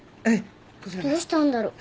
どうしたんだろ。